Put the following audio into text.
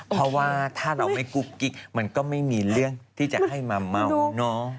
เพราะว่าถ้าเราไม่กุ๊กกิ๊กมันก็ไม่มีเรื่องที่จะให้มาเมาเนอะ